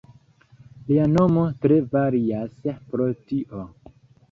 Lia nomo tre varias pro tio.